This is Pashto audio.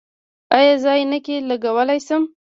ایا زه عینکې لګولی شم؟